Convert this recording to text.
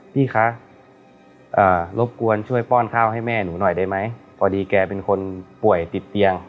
พี่คะรบกวนช่วยป้อนข้าวให้แม่หนูหน่อยได้ไหมพอดีแกเป็นคนป่วยติดเตียง